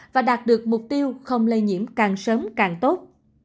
và đạt được mục tiêu không lây nhiễm càng sớm càng tốt